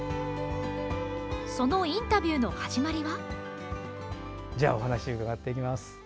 そのインタビューの始まりは。